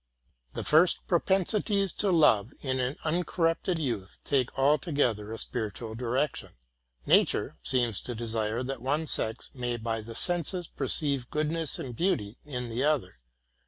The first propensities to love in an uncorrupted youth take RELATING TO MY LIFE. 141 altogether a spiritual direction. Nature seems to desire that one sex may by the senses perceive goodness and beauty in the other.